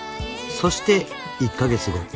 ［そして１カ月後］